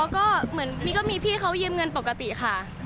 อ๋อก็เหมือนมีพี่เขายืมเงินปกติค่ะ